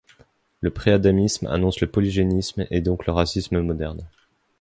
Le préadamisme annonce le polygénisme et donc le racisme moderne.